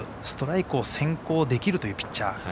ストライクを先行できるというピッチャー。